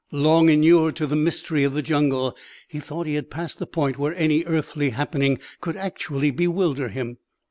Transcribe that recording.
Long inured to the mystery of the jungle, he thought he had passed the point where any earthly happening could actually bewilder him.